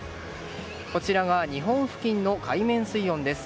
こちらが日本付近の海面水温です。